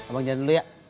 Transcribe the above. udah abang jalan dulu ya